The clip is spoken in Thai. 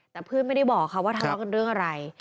แต่เพื่อนไม่ได้บอกค่ะว่าทะเลาะกันเรื่องอะไร